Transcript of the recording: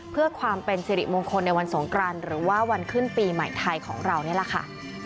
เพื่อความเป็นสิริมงคลในวันสงกรานหรือว่าวันขึ้นปีใหม่ไทยของเรานี่แหละค่ะ